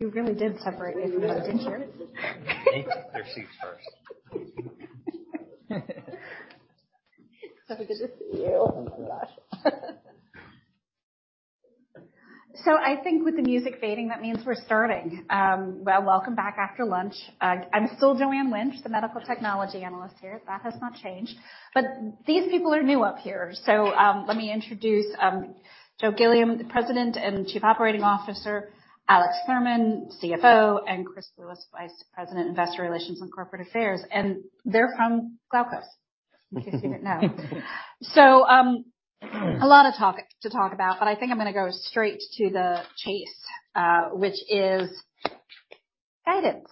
You really did separate me from the teachers. They took their seats first. Good to see you. Oh, my gosh. I think with the music fading, that means we're starting. Well, welcome back after lunch. I'm still Joanne Wuensch, the Medical Technology Analyst here. That has not changed. These people are new up here. Let me introduce Joe Gilliam, the President and Chief Operating Officer, Alex Thurman, CFO, and Chris Lewis, Vice President, Investor Relations and Corporate Affairs. They're from Glaukos. You can see that now. A lot to talk about, but I think I'm gonna go straight to the chase, which is guidance.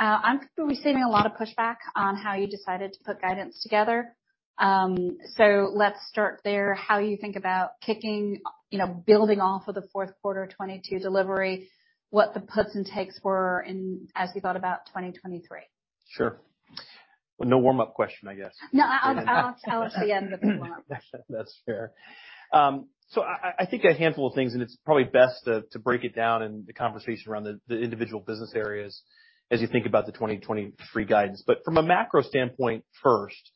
I'm receiving a lot of pushback on how you decided to put guidance together. Let's start there. How you think about kicking, you know, building off of the fourth quarter 2022 delivery, what the puts and takes were as we thought about 2023. Sure. No warm-up question, I guess. No, I'll tell it to the end of the warm-up. That's fair. I think a handful of things, and it's probably best to break it down in the conversation around the individual business areas as you think about the 2023 guidance. From a macro standpoint first,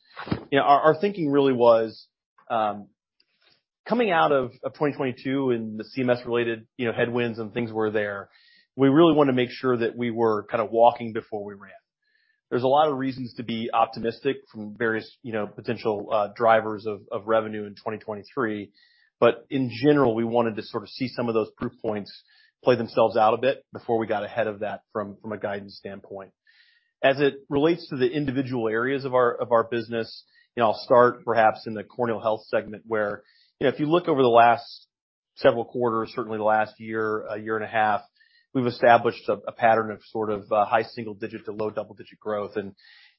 you know, our thinking really was coming out of 2022 and the CMS-related, you know, headwinds and things were there. We really wanna make sure that we were kinda walking before we ran. There's a lot of reasons to be optimistic from various, you know, potential drivers of revenue in 2023. In general, we wanted to sort of see some of those proof points play themselves out a bit before we got ahead of that from a guidance standpoint. As it relates to the individual areas of our business, you know, I'll start perhaps in the Corneal Health segment where, you know, if you look over the last several quarters, certainly the last year and a half, we've established a pattern of sort of high single-digit to low double-digit growth.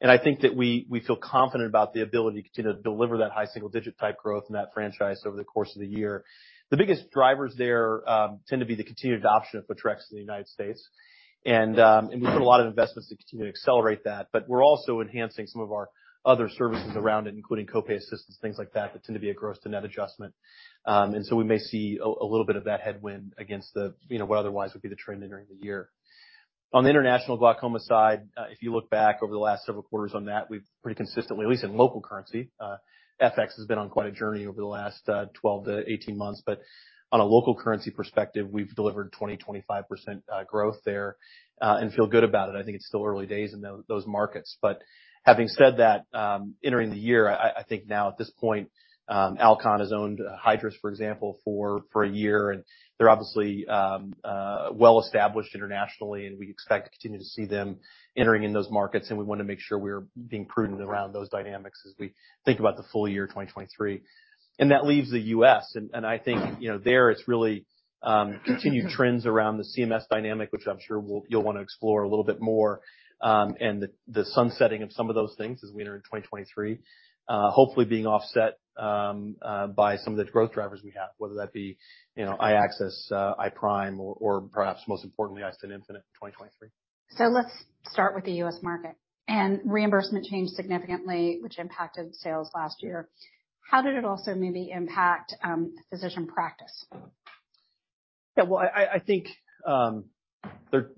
I think that we feel confident about the ability to continue to deliver that high single-digit type growth in that franchise over the course of the year. The biggest drivers there tend to be the continued adoption of Photrexa in the United States. We've done a lot of investments to continue to accelerate that. We're also enhancing some of our other services around it, including co-pay assistance, things like that tend to be a gross-to-net adjustment. We may see a little bit of that headwind against the, you know, what otherwise would be the trend during the year. On the international glaucoma side, if you look back over the last several quarters on that, we've pretty consistently, at least in local currency, FX has been on quite a journey over the last 12 to 18 months. On a local currency perspective, we've delivered 2025% growth there and feel good about it. I think it's still early days in those markets. Having said that, entering the year, I think now at this point, Alcon has owned Hydrus, for example, for a year, and they're obviously well established internationally, and we expect to continue to see them entering in those markets, and we wanna make sure we're being prudent around those dynamics as we think about the full year 2023. That leaves the U.S. I think, you know, there it's really continued trends around the CMS dynamic, which I'm sure you'll wanna explore a little bit more, and the sunsetting of some of those things as we enter in 2023, hopefully being offset by some of the growth drivers we have, whether that be, you know, iAccess, iPRIME or perhaps most importantly, iStent infinite in 2023. Let's start with the U.S. market. Reimbursement changed significantly, which impacted sales last year. How did it also maybe impact physician practice? Yeah. Well, I think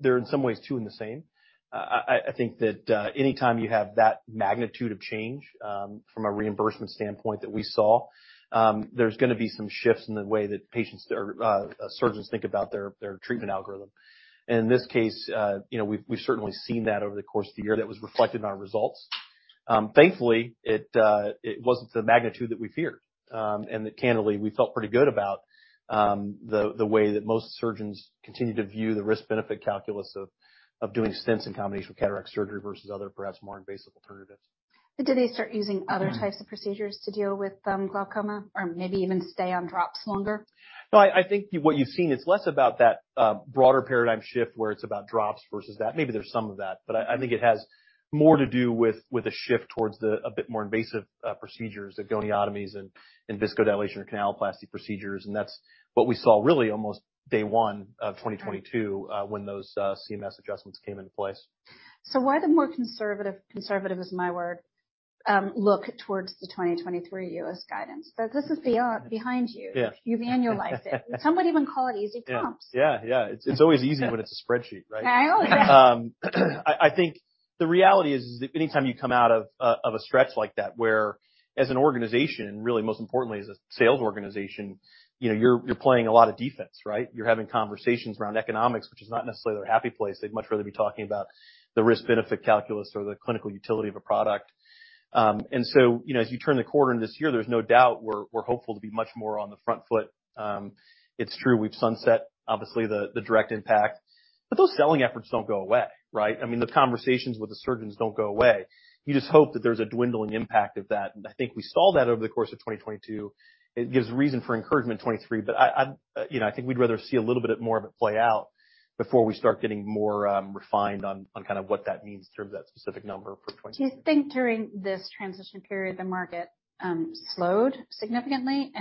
they're in some ways two and the same. I think that anytime you have that magnitude of change, from a reimbursement standpoint that we saw, there's gonna be some shifts in the way that patients or surgeons think about their treatment algorithm. In this case, you know, we've certainly seen that over the course of the year. That was reflected in our results. Thankfully, it wasn't the magnitude that we feared, and that candidly, we felt pretty good about the way that most surgeons continue to view the risk-benefit calculus of doing stents in combination with cataract surgery versus other perhaps more invasive alternatives. Do they start using other types of procedures to deal with, glaucoma or maybe even stay on drops longer? No, I think what you've seen is less about that, broader paradigm shift where it's about drops versus that. Maybe there's some of that. I think it has more to do with a shift towards a bit more invasive procedures, the goniotomies and viscodilation or canaloplasty procedures. That's what we saw really almost day one of 2022, when those CMS adjustments came into place. Why the more conservative is my word, look towards the 2023 U.S. guidance? This is the art behind you. Yeah. You've annualized it. Some would even call it easy prompts. Yeah. Yeah. It's, it's always easy when it's a spreadsheet, right? I know. I think the reality is anytime you come out of of a stretch like that, where as an organization, really most importantly as a sales organization, you know, you're playing a lot of defense, right? You're having conversations around economics, which is not necessarily their happy place. They'd much rather be talking about the risk-benefit calculus or the clinical utility of a product. You know, as you turn the corner this year, there's no doubt we're hopeful to be much more on the front foot. It's true, we've sunset obviously the direct impact. Those selling efforts don't go away, right? I mean, the conversations with the surgeons don't go away. You just hope that there's a dwindling impact of that. I think we saw that over the course of 2022. It gives reason for encouragement 2023, but I, you know, I think we'd rather see a little bit more of it play out before we start getting more refined on kinda what that means in terms of that specific number for 2023. Do you think during this transition period the market slowed significantly?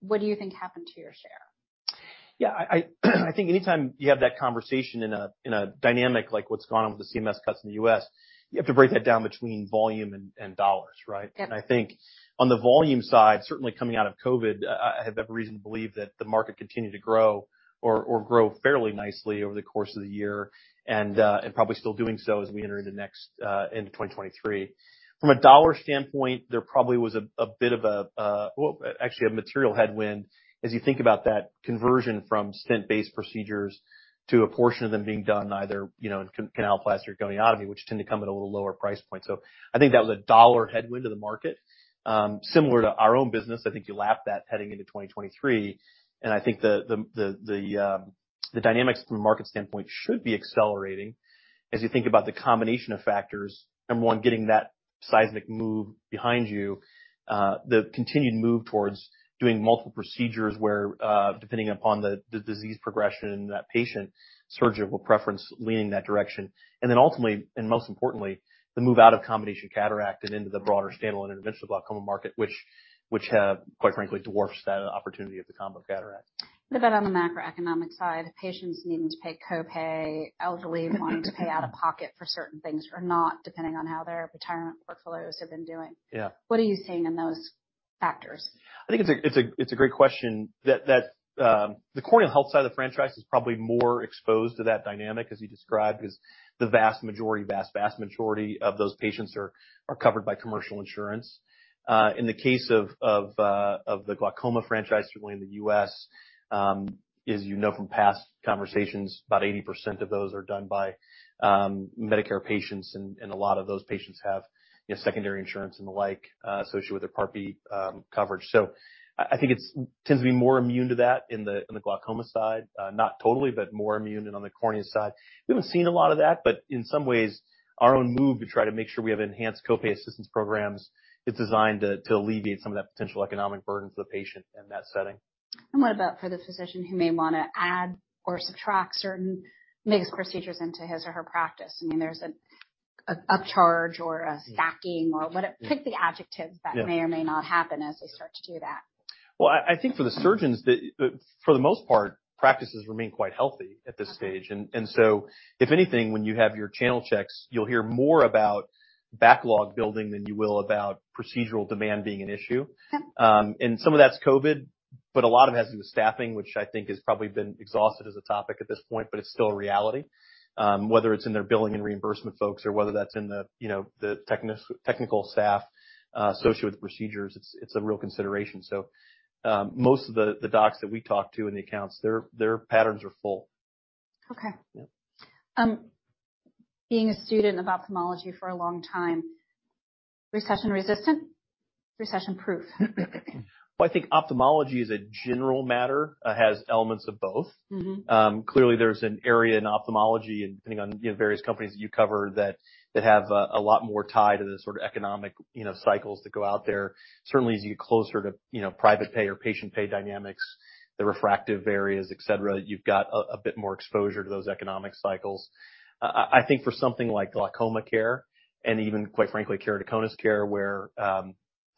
What do you think happened to your share? Yeah, I think anytime you have that conversation in a dynamic like what's gone on with the CMS cuts in the U.S., you have to break that down between volume and dollars, right? Yeah. I think on the volume side, certainly coming out of COVID, I have every reason to believe that the market continued to grow or grow fairly nicely over the course of the year and probably still doing so as we enter the next into 2023. From a dollar standpoint, there probably was a bit of a, well, actually a material headwind as you think about that conversion from stent-based procedures to a portion of them being done either, you know, in canaloplasty or goniotomy, which tend to come at a little lower price point. I think that was a dollar headwind to the market. Similar to our own business, I think you lap that heading into 2023, and I think the dynamics from a market standpoint should be accelerating as you think about the combination of factors. Number one, getting that seismic move behind you, the continued move towards doing multiple procedures where, depending upon the disease progression and that patient surgical preference leaning that direction. Ultimately, and most importantly, the move out of combination cataract and into the broader standalone interventional glaucoma market, which have quite frankly dwarfs that opportunity of the combo cataracts. A bit on the macroeconomic side, patients needing to pay copay, elderly wanting to pay out of pocket for certain things or not, depending on how their retirement portfolios have been doing. Yeah. What are you seeing in those factors? I think it's a great question that the Corneal Health side of the franchise is probably more exposed to that dynamic as you described, because the vast majority of those patients are covered by commercial insurance. In the case of the glaucoma franchise, certainly in the U.S., as you know from past conversations, about 80% of those are done by Medicare patients, and a lot of those patients have, you know, secondary insurance and the like, associated with their Part B coverage. I think it tends to be more immune to that in the glaucoma side, not totally, but more immune. On the cornea side, we haven't seen a lot of that, but in some ways, our own move to try to make sure we have enhanced copay assistance programs is designed to alleviate some of that potential economic burden for the patient in that setting. What about for the physician who may wanna add or subtract certain mixed procedures into his or her practice? I mean, there's an upcharge or a stacking or what, pick the adjectives that may or may not happen as they start to do that. Well, I think for the surgeons, for the most part, practices remain quite healthy at this stage. So if anything, when you have your channel checks, you'll hear more about backlog building than you will about procedural demand being an issue. Okay. Some of that's COVID, but a lot of it has to do with staffing, which I think has probably been exhausted as a topic at this point, but it's still a reality. Whether it's in their billing and reimbursement folks or whether that's in the, you know, the technical staff associated with procedures, it's a real consideration. Most of the docs that we talk to in the accounts, their patterns are full. Okay. Yeah. being a student of ophthalmology for a long time, recession resistant, recession-proof? Well, I think ophthalmology as a general matter, has elements of both. Mm-hmm. Clearly there's an area in ophthalmology, depending on, you know, various companies that you cover that have a lot more tied to the sort of economic, you know, cycles that go out there. Certainly as you get closer to, you know, private pay or patient pay dynamics, the refractive areas, et cetera, you've got a bit more exposure to those economic cycles. I think for something like glaucoma care and even quite frankly, keratoconus care, where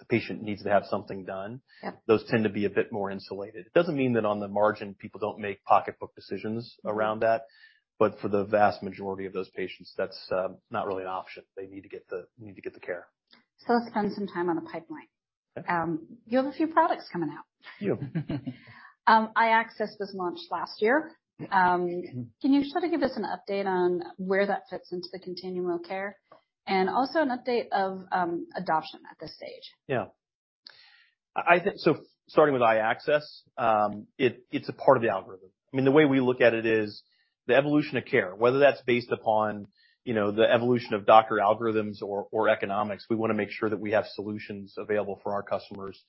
the patient needs to have something done. Yeah. -those tend to be a bit more insulated. It doesn't mean that on the margin, people don't make pocketbook decisions around that, but for the vast majority of those patients, that's not really an option. They need to get the care. Let's spend some time on the pipeline. Okay. You have a few products coming out. Yeah. iAccess was launched last year. Can you sort of give us an update on where that fits into the continuum of care, and also an update of, adoption at this stage? Yeah. I think starting with iAccess, it's a part of the algorithm. I mean, the way we look at it is the evolution of care, whether that's based upon, you know, the evolution of doctor algorithms or economics, we wanna make sure that we have solutions available for our customers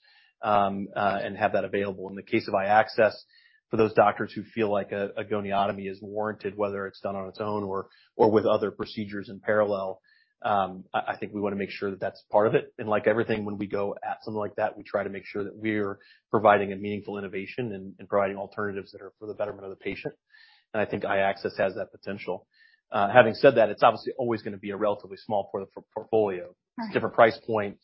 and have that available. In the case of iAccess, for those doctors who feel like a goniotomy is warranted, whether it's done on its own or with other procedures in parallel, I think we wanna make sure that that's part of it. Like everything, when we go at something like that, we try to make sure that we're providing a meaningful innovation and providing alternatives that are for the betterment of the patient. I think iAccess has that potential. Having said that, it's obviously always gonna be a relatively small portfolio. Right. It's a different price point.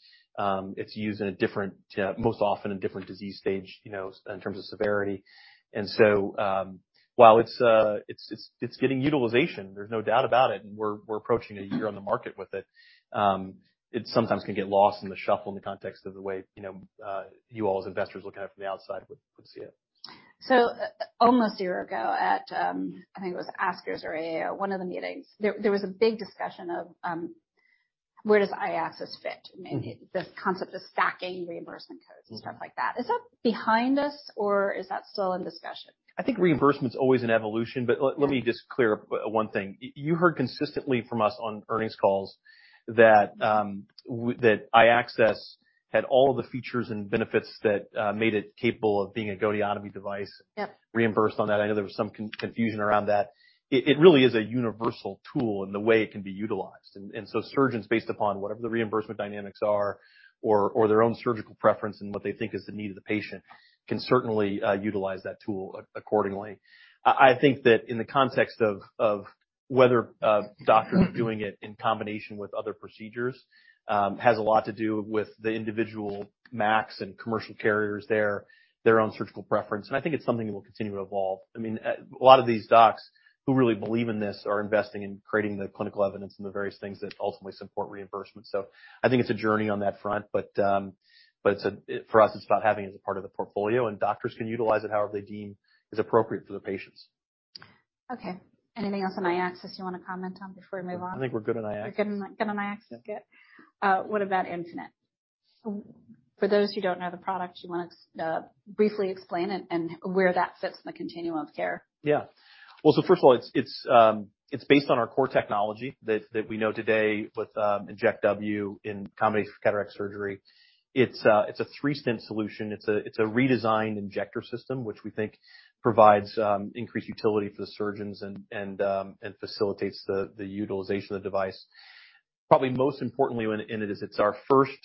It's used in a different, most often a different disease stage, you know, in terms of severity. While it's getting utilization, there's no doubt about it, and we're approaching a year on the market with it sometimes can get lost in the shuffle in the context of the way, you know, you all as investors looking at it from the outside would see it. Almost a year ago at, I think it was ASCRS or AAO, one of the meetings, there was a big discussion of, where does iAccess fit? Mm-hmm. The concept of stacking reimbursement codes and stuff like that. Is that behind us or is that still in discussion? I think reimbursement's always an evolution. Let me just clear up one thing. You heard consistently from us on earnings calls that iAccess had all of the features and benefits that made it capable of being a goniotomy device. Yep. reimbursed on that. I know there was some confusion around that. It really is a universal tool in the way it can be utilized. Surgeons, based upon whatever the reimbursement dynamics are or their own surgical preference and what they think is the need of the patient, can certainly utilize that tool accordingly. I think that in the context of whether doctors are doing it in combination with other procedures has a lot to do with the individual MAC and commercial carriers, their own surgical preference, and I think it's something that will continue to evolve. A lot of these docs who really believe in this are investing in creating the clinical evidence and the various things that ultimately support reimbursement. I think it's a journey on that front. For us, it's about having it as a part of the portfolio, and doctors can utilize it however they deem is appropriate for their patients. Okay. Anything else on iAccess you want to comment on before we move on? I think we're good on iAccess. We're good on, good on iAccess? Good. What about Intrepid? For those who don't know the product, do you wanna briefly explain it and where that fits in the continuum of care? Well, first of all, it's based on our core technology that we know today with InjectW in combination for cataract surgery. It's a three-stent solution. It's a redesigned injector system, which we think provides increased utility for the surgeons and facilitates the utilization of the device. Probably most importantly in it is it's our first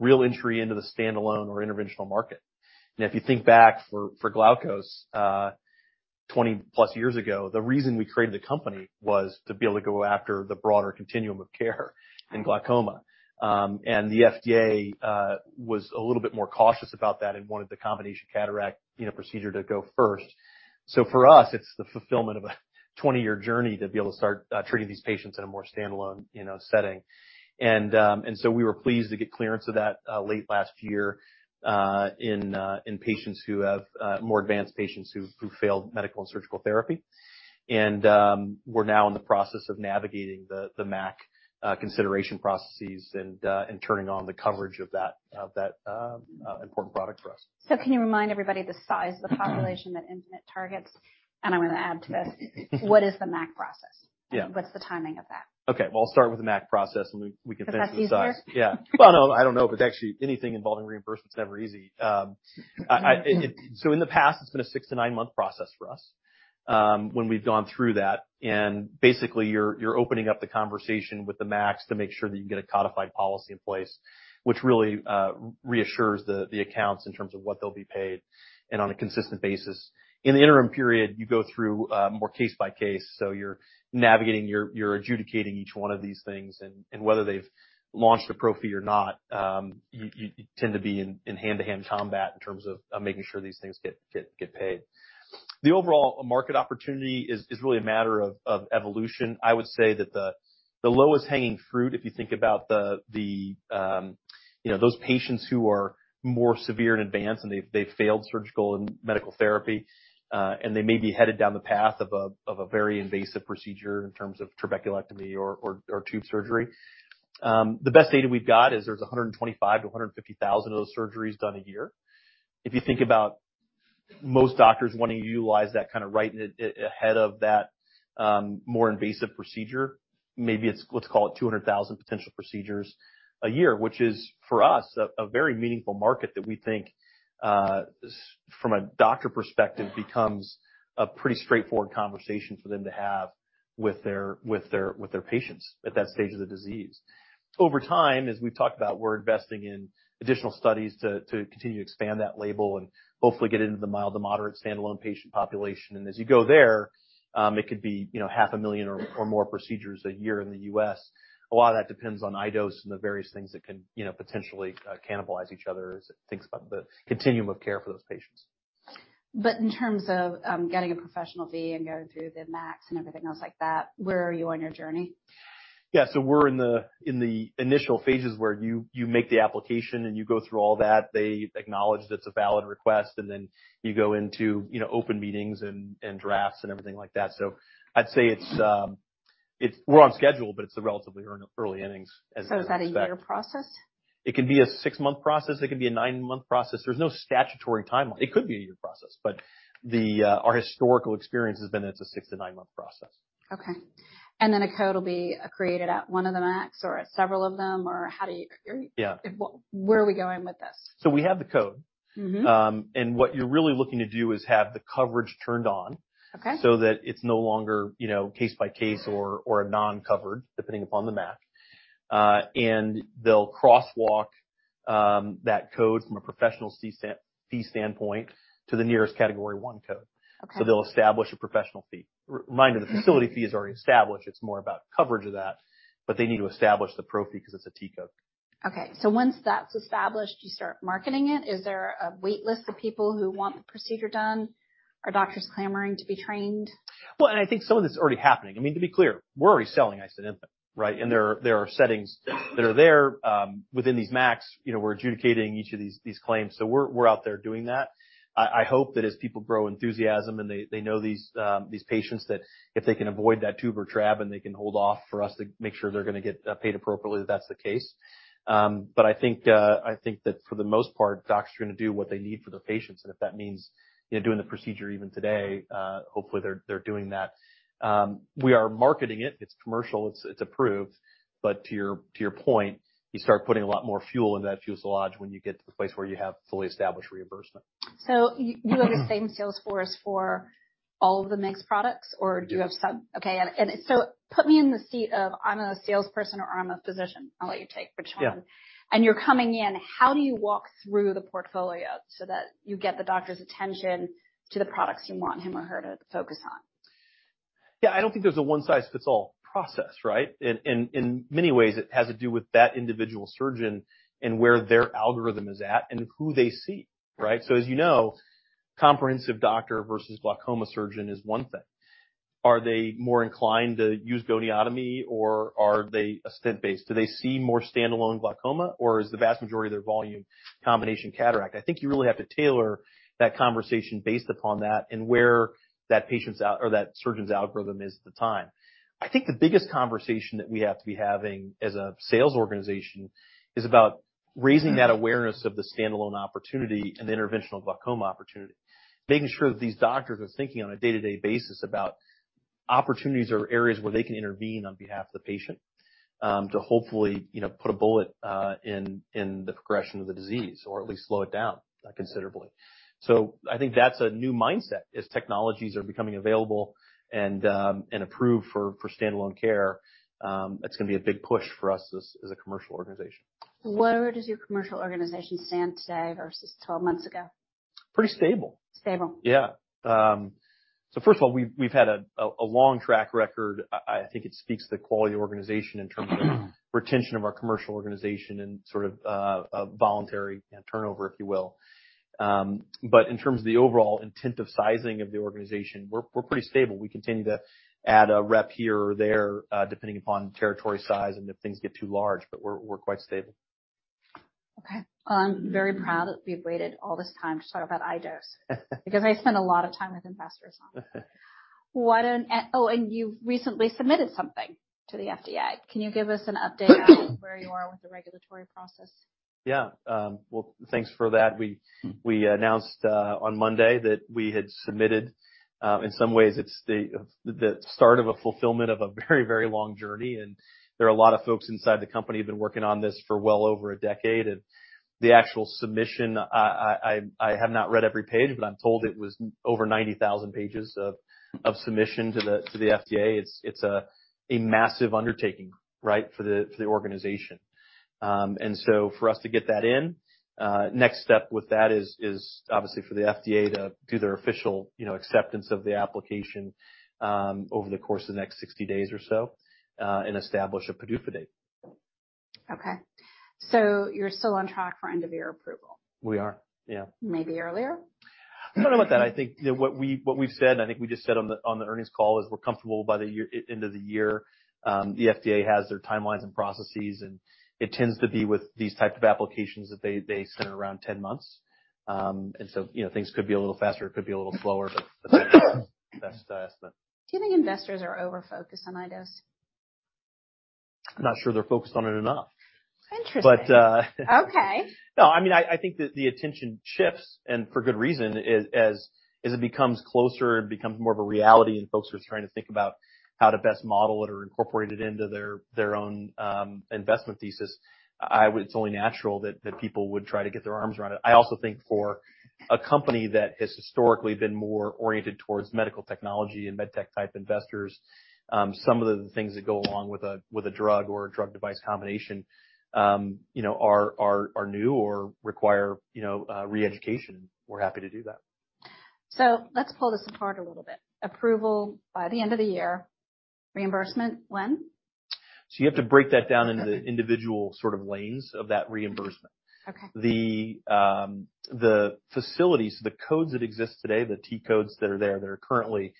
real entry into the standalone or interventional market. If you think back for Glaukos, 20-plus years ago, the reason we created the company was to be able to go after the broader continuum of care in glaucoma. The FDA was a little bit more cautious about that and wanted the combination cataract, you know, procedure to go first. For us, it's the fulfillment of a 20-year journey to be able to start treating these patients in a more standalone, you know, setting. We were pleased to get clearance of that late last year in patients who have more advanced patients who failed medical and surgical therapy. We're now in the process of navigating the MAC consideration processes and turning on the coverage of that important product for us. Can you remind everybody the size of the population that Intrepid targets? I'm gonna add to this: What is the MAC process? Yeah. What's the timing of that? Okay. Well, I'll start with the MAC process. We can finish the size. 'Cause that's easier? Yeah. Well, no, I don't know if it's actually anything involving reimbursement's ever easy. In the past, it's been a six to nine-month process for us, when we've gone through that, and basically you're opening up the conversation with the MACs to make sure that you get a codified policy in place, which really reassures the accounts in terms of what they'll be paid and on a consistent basis. In the interim period, you go through more case by case, so you're navigating, you're adjudicating each one of these things, and whether they've launched a pro fee or not, you tend to be in hand-to-hand combat in terms of making sure these things get paid. The overall market opportunity is really a matter of evolution. I would say that the lowest hanging fruit, if you think about the, you know, those patients who are more severe and advanced, and they've failed surgical and medical therapy, and they may be headed down the path of a, of a very invasive procedure in terms of trabeculectomy or tube surgery. The best data we've got is there's 125,000-150,000 of those surgeries done a year. If you think about most doctors wanting to utilize that kind of right ahead of that more invasive procedure, maybe it's, let's call it 200,000 potential procedures a year, which is, for us, a very meaningful market that we think from a doctor perspective, becomes a pretty straightforward conversation for them to have with their patients at that stage of the disease. Over time, as we've talked about, we're investing in additional studies to continue to expand that label and hopefully get into the mild to moderate standalone patient population. As you go there, it could be, you know, half a million or more procedures a year in the US. A lot of that depends on iDose and the various things that can, you know, potentially, cannibalize each other as it thinks about the continuum of care for those patients. In terms of getting a professional fee and going through the MACs and everything else like that, where are you on your journey? We're in the initial phases where you make the application, you go through all that. They acknowledge that it's a valid request, you go into, you know, open meetings and drafts and everything like that. I'd say we're on schedule, but it's a relatively early innings as you'd expect. Is that a year process? It can be a six-month process. It can be a nine-month process. There's no statutory timeline. It could be a one-year process, but the, our historical experience has been it's a six- to nine-month process. Okay. A code will be created at one of the MACs or at several of them, or how do you... Yeah. Where are we going with this? We have the code. Mm-hmm. What you're really looking to do is have the coverage turned on. Okay. that it's no longer, you know, case by case or non-covered, depending upon the MAC. They'll crosswalk that code from a professional fee standpoint to the nearest Category I code. Okay. They'll establish a professional fee. Mind you, the facility fee is already established. It's more about coverage of that. They need to establish the pro fee 'cause it's a T-code. Once that's established, you start marketing it. Is there a wait list of people who want the procedure done? Are doctors clamoring to be trained? I think some of it's already happening. I mean, to be clear, we're already selling iStent infinite, right? There are settings that are there within these MACs. You know, we're adjudicating each of these claims. We're out there doing that. I hope that as people grow enthusiasm and they know these patients, that if they can avoid that tube or trab and they can hold off for us to make sure they're gonna get paid appropriately, that's the case. I think that for the most part, doctors are gonna do what they need for their patients. If that means, you know, doing the procedure even today, hopefully they're doing that. We are marketing it. It's commercial. It's approved. To your point, you start putting a lot more fuel into that fuselage when you get to the place where you have fully established reimbursement. You have the same sales force for all of the MIGS products? Mm. Do you have sub... Okay. Put me in the seat of I'm a salesperson or I'm a physician. I'll let you take which one. Yeah. You're coming in. How do you walk through the portfolio so that you get the doctor's attention to the products you want him or her to focus on? Yeah. I don't think there's a one-size-fits-all process, right? In many ways, it has to do with that individual surgeon and where their algorithm is at and who they see, right? As you know, comprehensive doctor versus glaucoma surgeon is one thing. Are they more inclined to use goniotomy or are they stent-based? Do they see more standalone glaucoma or is the vast majority of their volume combination cataract? I think you really have to tailor that conversation based upon that and where that surgeon's algorithm is at the time. I think the biggest conversation that we have to be having as a sales organization is about raising that awareness of the standalone opportunity and the interventional glaucoma opportunity. Making sure that these doctors are thinking on a day-to-day basis about opportunities or areas where they can intervene on behalf of the patient, to hopefully, you know, put a bullet in the progression of the disease or at least slow it down considerably. I think that's a new mindset as technologies are becoming available and approved for standalone care, that's gonna be a big push for us as a commercial organization. Where does your commercial organization stand today versus 12 months ago? Pretty stable. Stable? First of all, we've had a long track record. I think it speaks to the quality of the organization in terms of retention of our commercial organization and sort of voluntary turnover, if you will. In terms of the overall intent of sizing of the organization, we're pretty stable. We continue to add a rep here or there, depending upon territory size and if things get too large, but we're quite stable. Okay. I'm very proud that we've waited all this time to talk about iDose. I spend a lot of time with investors on it. What oh, you recently submitted something to the FDA. Can you give us an update on where you are with the regulatory process? Yeah. Well, thanks for that. We announced on Monday that we had submitted. In some ways it's the start of a fulfillment of a very, very long journey, and there are a lot of folks inside the company who've been working on this for well over a decade. The actual submission, I, I have not read every page, but I'm told it was over 90,000 pages of submission to the, to the FDA. It's, it's a massive undertaking, right, for the, for the organization. So for us to get that in, next step with that is obviously for the FDA to do their official, you know, acceptance of the application, over the course of the next 60 days or so, and establish a PDUFA date. Okay. You're still on track for end of year approval? We are, yeah. Maybe earlier? I don't know about that. I think, you know, what we've said on the earnings call is we're comfortable by the end of the year. The FDA has their timelines and processes. It tends to be with these type of applications that they sit around 10 months. You know, things could be a little faster, it could be a little slower, but that's our best estimate. Do you think investors are over-focused on iDose? I'm not sure they're focused on it enough. Interesting. But, uh Okay. No, I mean, I think that the attention shifts, and for good reason, as it becomes closer and becomes more of a reality and folks are trying to think about how to best model it or incorporate it into their own investment thesis. It's only natural that people would try to get their arms around it. I also think for a company that has historically been more oriented towards medical technology and med tech type investors, some of the things that go along with a drug or a drug-device combination, you know, are new or require, you know, re-education. We're happy to do that. Let's pull this apart a little bit. Approval by the end of the year. Reimbursement when? You have to break that down into the individual sort of lanes of that reimbursement. Okay. The facilities, the T-codes that exist today that are currently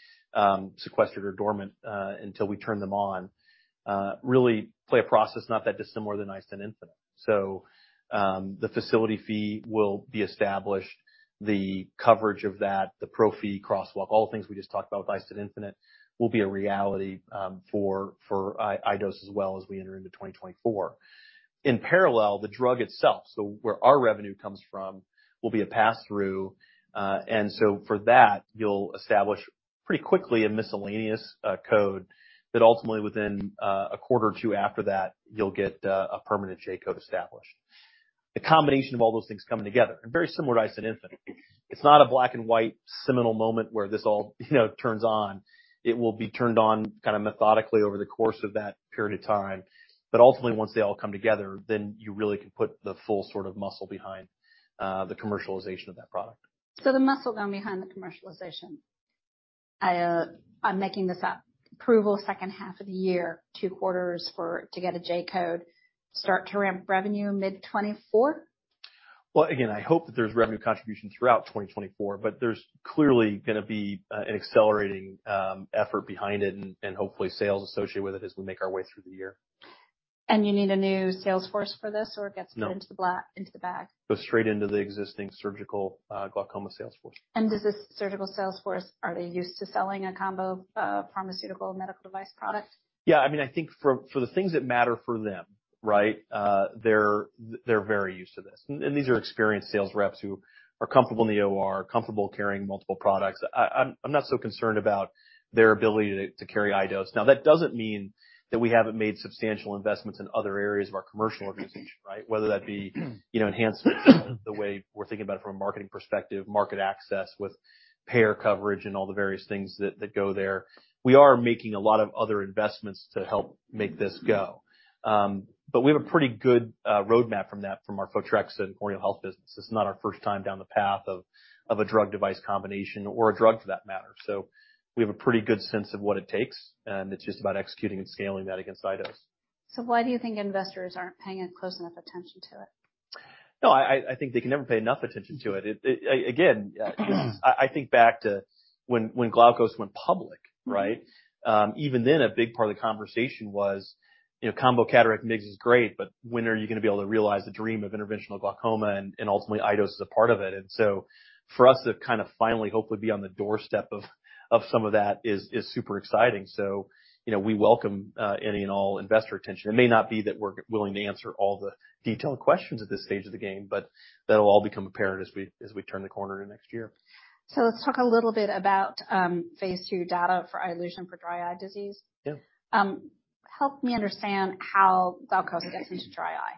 sequestered or dormant, until we turn them on, really play a process not that dissimilar than iStent infinite. The facility fee will be established. The coverage of that, the pro fee crosswalk, all the things we just talked about with iStent infinite will be a reality, for iDose as well as we enter into 2024. In parallel, the drug itself, so where our revenue comes from, will be a pass-through. For that, you'll establish pretty quickly a miscellaneous code that ultimately within a quarter or two after that, you'll get a permanent J-code established. The combination of all those things coming together and very similar to iStent infinite. It's not a black and white seminal moment where this all, you know, turns on. It will be turned on kind of methodically over the course of that period of time. Ultimately, once they all come together, then you really can put the full sort of muscle behind the commercialization of that product. The muscle going behind the commercialization. I'm making this up, approval second half of the year, two quarters for to get a J code. Start to ramp revenue mid 2024? Well, again, I hope that there's revenue contribution throughout 2024, but there's clearly gonna be an accelerating effort behind it and hopefully sales associated with it as we make our way through the year. You need a new sales force for this, or it gets- No. put into the bag. Goes straight into the existing surgical, glaucoma sales force. Does this surgical sales force, are they used to selling a combo of pharmaceutical and medical device products? Yeah. I mean, I think for the things that matter for them, right, they're very used to this. These are experienced sales reps who are comfortable in the OR, comfortable carrying multiple products. I'm not so concerned about their ability to carry iDose. That doesn't mean that we haven't made substantial investments in other areas of our commercial organization, right? Whether that be, you know, enhancements, the way we're thinking about it from a marketing perspective, market access with payer coverage and all the various things that go there. We are making a lot of other investments to help make this go. We have a pretty good roadmap from that from our Photrexa and Corneal Health business. It's not our first time down the path of a drug-device combination or a drug for that matter. We have a pretty good sense of what it takes, and it's just about executing and scaling that against iDose. Why do you think investors aren't paying a close enough attention to it? No, I think they can never pay enough attention to it. Again, I think back to when Glaukos went public, right? Even then, a big part of the conversation was, you know, combo cataract MIGS is great, but when are you gonna be able to realize the dream of interventional glaucoma and ultimately iDose as a part of it. For us to kind of finally hopefully be on the doorstep of some of that is super exciting. You know, we welcome any and all investor attention. It may not be that we're willing to answer all the detailed questions at this stage of the game, but that'll all become apparent as we turn the corner into next year. Let's talk a little bit about phase two data for iLution for dry eye disease. Yeah. Help me understand how Glaukos gets into dry eye.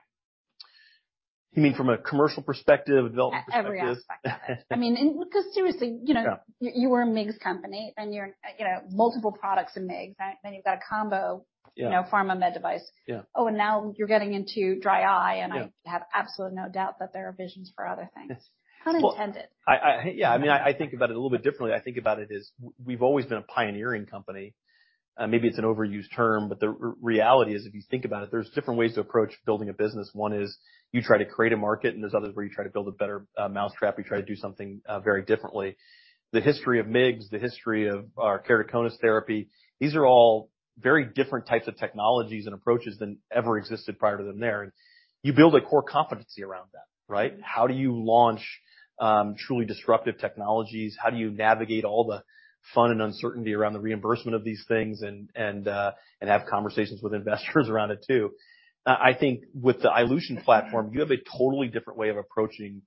You mean from a commercial perspective, a development perspective? Every aspect of it. I mean, and because seriously, you know... Yeah. You were a MIGS company, and you're, you know, multiple products in MIGS. you've got. Yeah. You know, pharma med device. Yeah. Oh, now you're getting into dry eye. Yeah. I have absolutely no doubt that there are visions for other things. Yes. Pun intended. Yeah. I mean, I think about it a little bit differently. I think about it as we've always been a pioneering company. Maybe it's an overused term, but the reality is, if you think about it, there's different ways to approach building a business. One is you try to create a market, and there's others where you try to build a better mousetrap. You try to do something very differently. The history of MIGS, the history of our keratoconus therapy, these are all very different types of technologies and approaches than ever existed prior to them there. You build a core competency around that, right? How do you launch truly disruptive technologies? How do you navigate all the fun and uncertainty around the reimbursement of these things and have conversations with investors around it too. I think with the iLution platform, you have a totally different way of approaching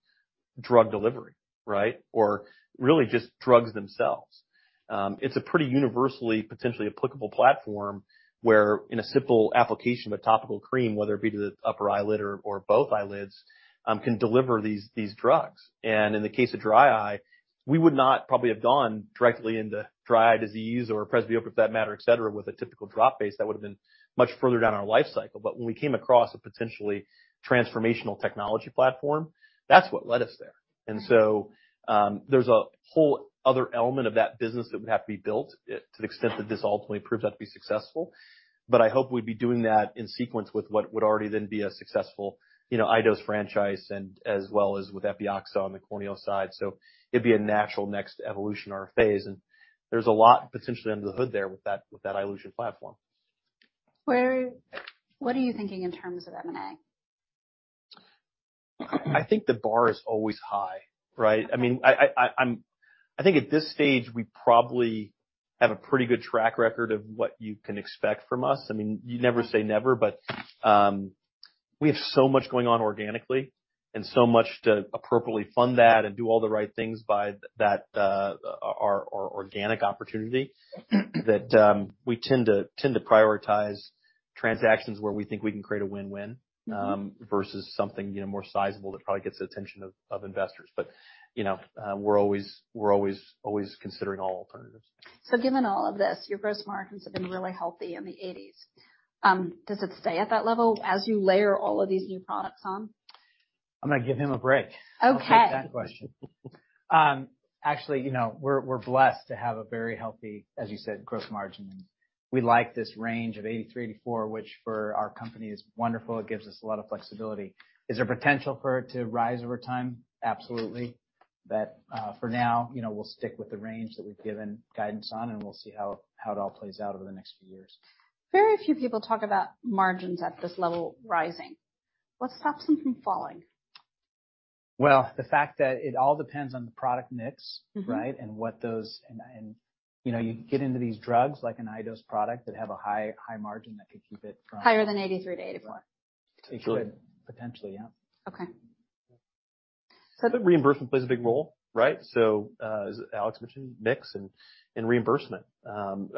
drug delivery, right? Really just drugs themselves. It's a pretty universally, potentially applicable platform where in a simple application of a topical cream, whether it be to the upper eyelid or both eyelids, can deliver these drugs. In the case of dry eye, we would not probably have gone directly into dry eye disease or presbyopia for that matter, et cetera, with a typical drop base. That would have been much further down our life cycle. When we came across a potentially transformational technology platform, that's what led us there. There's a whole other element of that business that would have to be built to the extent that this ultimately proves out to be successful. I hope we'd be doing that in sequence with what would already then be a successful, you know, iDose franchise and as well as with Epioxa on the corneal side. It'd be a natural next evolution or a phase, and there's a lot potentially under the hood there with that iLution platform. What are you thinking in terms of M&A? I think the bar is always high, right? I mean, I think at this stage, we probably have a pretty good track record of what you can expect from us. I mean, you never say never, but we have so much going on organically and so much to appropriately fund that and do all the right things by that, our organic opportunity that we tend to prioritize transactions where we think we can create a win-win versus something, you know, more sizable that probably gets the attention of investors. You know, we're always considering all alternatives. Given all of this, your gross margins have been really healthy in the 80s%. Does it stay at that level as you layer all of these new products on? I'm gonna give him a break. Okay. I'll take that question. actually, you know, we're blessed to have a very healthy, as you said, gross margin. We like this range of 83%-84%, which for our company is wonderful. It gives us a lot of flexibility. Is there potential for it to rise over time? Absolutely. For now, you know, we'll stick with the range that we've given guidance on, we'll see how it all plays out over the next few years. Very few people talk about margins at this level rising. What stops them from falling? Well, the fact that it all depends on the product mix, right? Mm-hmm. You know, you get into these drugs like an iDose product that have a high, high margin that could keep it from... Higher than 83 to 84. It could. Potentially, yeah. Okay. reimbursement plays a big role, right? As Alex mentioned, mix and reimbursement.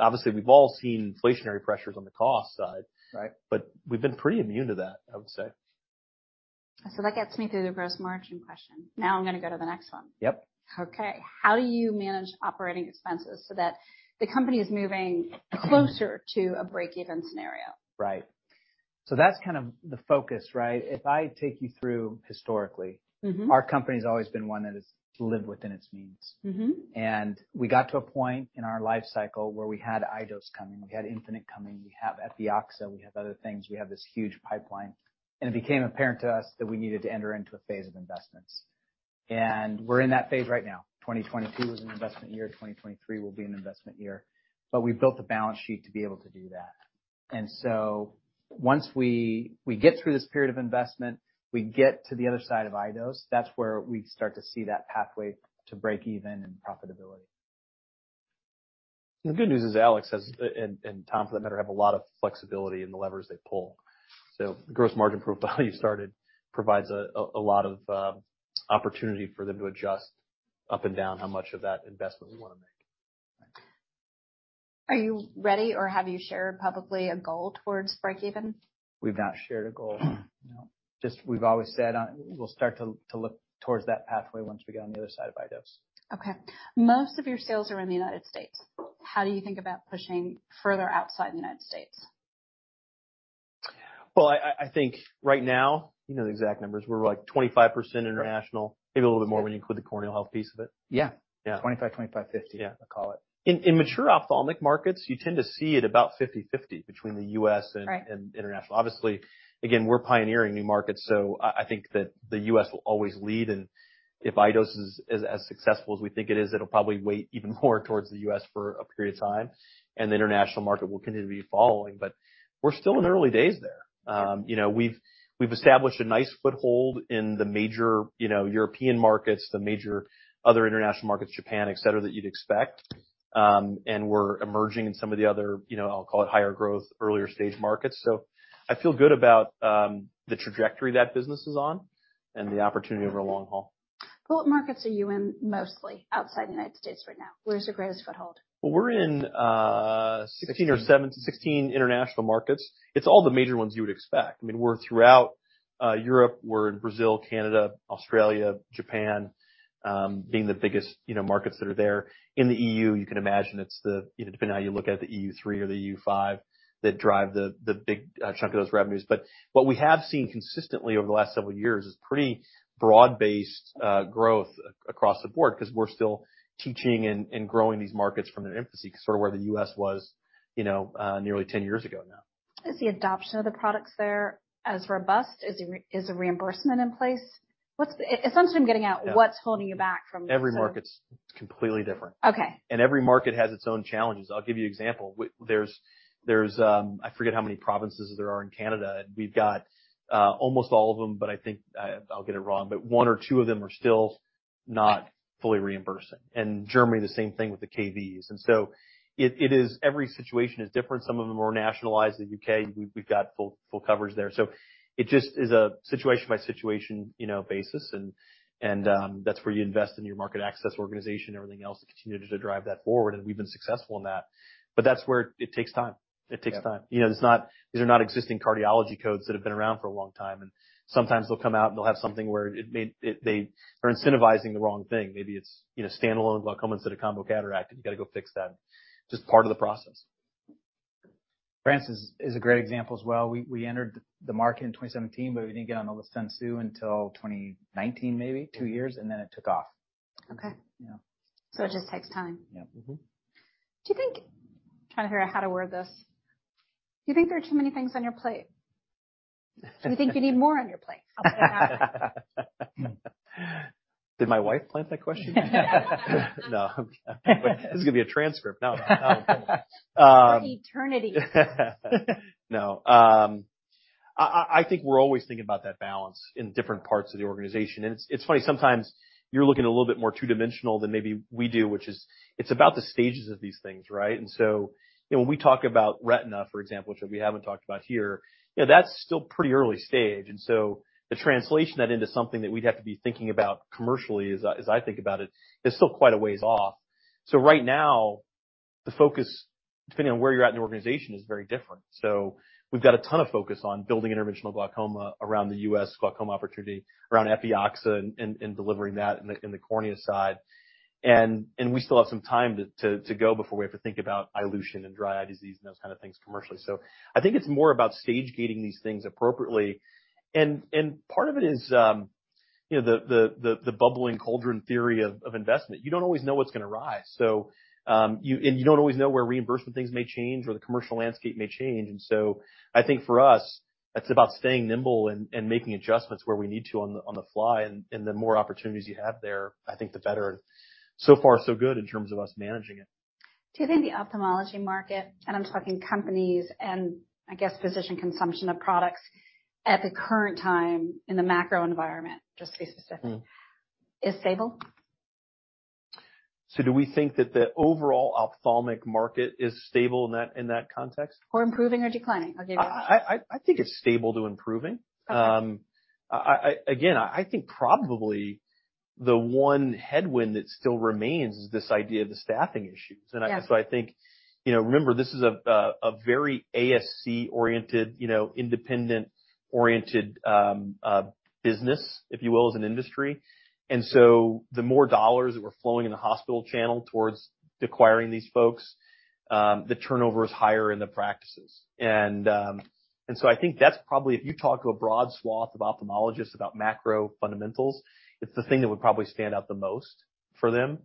Obviously, we've all seen inflationary pressures on the cost side. Right. We've been pretty immune to that, I would say. That gets me through the gross margin question. Now I'm gonna go to the next one. Yep. How do you manage operating expenses so that the company is moving closer to a break even scenario? Right. That's kind of the focus, right? If I take you through historically- Mm-hmm. Our company's always been one that has lived within its means. Mm-hmm. We got to a point in our life cycle where we had iDose coming, we had Infinite coming, we have Epioxa, we have other things. We have this huge pipeline. It became apparent to us that we needed to enter into a phase of investments. We're in that phase right now. 2022 was an investment year. 2023 will be an investment year. We built the balance sheet to be able to do that. Once we get through this period of investment, we get to the other side of iDose, that's where we start to see that pathway to break even and profitability. The good news is Alex has, and Tom, for that matter, have a lot of flexibility in the levers they pull. The gross margin profile you started provides a lot of opportunity for them to adjust up and down how much of that investment we wanna make. Right. Are you ready or have you shared publicly a goal towards breakeven? We've not shared a goal. No. Just we've always said we'll start to look towards that pathway once we get on the other side of iDose. Okay. Most of your sales are in the United States. How do you think about pushing further outside the United States? Well, I think right now, you know the exact numbers. We're like 25% international, maybe a little bit more when you include the Corneal Health piece of it. Yeah. Yeah. $25, $25, $50. Yeah. I call it. In mature ophthalmic markets, you tend to see it about 50/50 between the U.S. And. Right. International. Obviously, again, we're pioneering new markets, so I think that the U.S. will always lead. If iDose is as successful as we think it is, it'll probably weight even more towards the U.S. for a period of time, and the international market will continue to be following. We're still in early days there. You know, we've established a nice foothold in the major, you know, European markets, the major other international markets, Japan, et cetera, that you'd expect. We're emerging in some of the other, you know, I'll call it higher growth, earlier stage markets. I feel good about the trajectory that business is on and the opportunity over long haul. Well, what markets are you in mostly outside the United States right now? Where's your greatest foothold? Well, we're in, 16. 16 international markets. It's all the major ones you would expect. I mean, we're throughout Europe. We're in Brazil, Canada, Australia, Japan, being the biggest, you know, markets that are there. In the EU, you can imagine it's the, you know, depending on how you look at it, the EU three or the EU five that drive the big chunk of those revenues. What we have seen consistently over the last several years is pretty broad-based growth across the board because we're still teaching and growing these markets from their infancy, sort of where the U.S. was, you know, nearly 10 years ago now. Is the adoption of the products there as robust? Is the reimbursement in place? What's the essential I'm getting at. Yeah. What's holding you back from Every market's completely different. Okay. Every market has its own challenges. I'll give you example. There's I forget how many provinces there are in Canada. We've got almost all of them, but I think I'll get it wrong, but one or two of them are still not fully reimbursing. Germany, the same thing with the KVs. It, it is every situation is different. Some of them are more nationalized. The U.K., we've got full coverage there. It just is a situation by situation, you know, basis and that's where you invest in your market access organization and everything else to continue to drive that forward, and we've been successful in that. That's where it takes time. It takes time. Yeah. You know, these are not existing cardiology codes that have been around for a long time. Sometimes they'll come out, and they'll have something where they are incentivizing the wrong thing. Maybe it's, you know, standalone glaucoma instead of combo cataract. You got to go fix that. Just part of the process. France is a great example as well. We entered the market in 2017, but we didn't get on the list until 2019, maybe two years, and then it took off. Okay. Yeah. It just takes time. Yeah. Mm-hmm. Trying to figure out how to word this. Do you think there are too many things on your plate? Or do you think you need more on your plate? I'll put it that way. Did my wife plant that question? No. This is gonna be a transcript. No, no. For eternity. No. I think we're always thinking about that balance in different parts of the organization. It's funny, sometimes you're looking a little bit more two-dimensional than maybe we do, which is it's about the stages of these things, right? You know, when we talk about retina, for example, which we haven't talked about here, you know, that's still pretty early stage. The translation of that into something that we'd have to be thinking about commercially, as I think about it, is still quite a ways off. Right now, the focus, depending on where you're at in the organization, is very different. We've got a ton of focus on building interventional glaucoma around the U.S. glaucoma opportunity, around Epioxa and delivering that in the cornea side. We still have some time to go before we have to think about iLution and dry eye disease and those kind of things commercially. I think it's more about stage-gating these things appropriately. Part of it is, you know, the bubbling cauldron theory of investment. You don't always know what's gonna rise, so. You don't always know where reimbursement things may change or the commercial landscape may change. I think for us, it's about staying nimble and making adjustments where we need to on the fly. The more opportunities you have there, I think the better. So far, so good in terms of us managing it. Do you think the ophthalmology market, and I'm talking companies and I guess physician consumption of products at the current time in the macro environment, just to be specific, is stable? Do we think that the overall ophthalmic market is stable in that, in that context? improving or declining? I'll give you- I think it's stable to improving. Okay. Again, I think probably the one headwind that still remains is this idea of the staffing issues. Yeah. I think, you know, remember, this is a very ASC-oriented, you know, independent-oriented business, if you will, as an industry. The more dollars that were flowing in the hospital channel towards acquiring these folks, the turnover is higher in the practices. I think that's probably if you talk to a broad swath of ophthalmologists about macro fundamentals, it's the thing that would probably stand out the most for them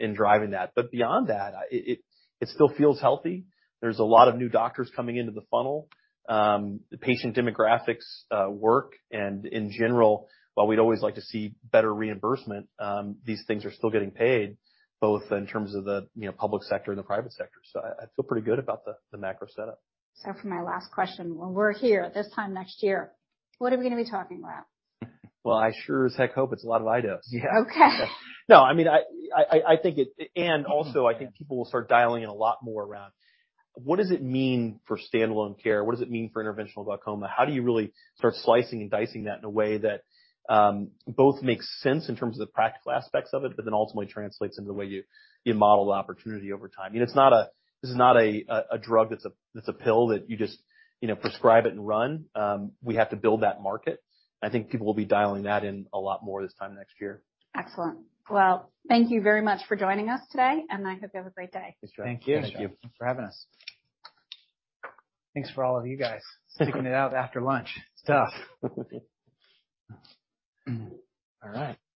in driving that. Beyond that, it still feels healthy. There's a lot of new doctors coming into the funnel. The patient demographics work, and in general, while we'd always like to see better reimbursement, these things are still getting paid both in terms of the, you know, public sector and the private sector. I feel pretty good about the macro setup. For my last question, when we're here this time next year, what are we gonna be talking about? Well, I sure as heck hope it's a lot of iDose. Yeah. Okay. No, I mean, I think it. Also I think people will start dialing in a lot more around what does it mean for standalone care? What does it mean for interventional glaucoma? How do you really start slicing and dicing that in a way that both makes sense in terms of the practical aspects of it, but then ultimately translates into the way you model the opportunity over time. You know, this is not a drug that's a pill that you just, you know, prescribe it and run. We have to build that market. I think people will be dialing that in a lot more this time next year. Excellent. Well, thank you very much for joining us today, and I hope you have a great day. Thanks, Joanne. Thank you. Thanks for having us. Thanks for all of you guys sticking it out after lunch. It's tough. All right.